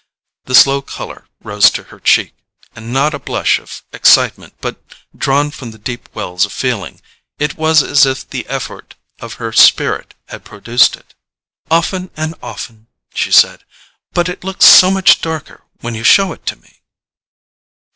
The slow colour rose to her cheek, not a blush of excitement but drawn from the deep wells of feeling; it was as if the effort of her spirit had produced it. "Often and often," she said. "But it looks so much darker when you show it to me!"